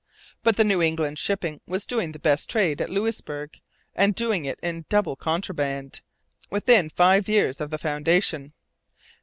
But the New England shipping was doing the best trade at Louisbourg, and doing it in double contraband, within five years of the foundation.